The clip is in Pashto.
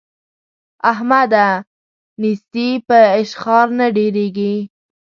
احمده! نېستي په اشخار نه ډېرېږي.